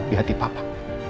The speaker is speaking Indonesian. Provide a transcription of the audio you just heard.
di hati papa